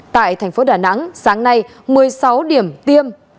tại tp đà nẵng sáng nay một mươi sáu điểm tiêm